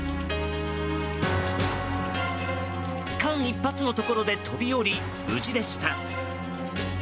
間一髪のところで飛び降り無事でした。